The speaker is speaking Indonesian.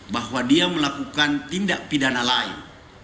bahwa dia melakukan tindak pidana lain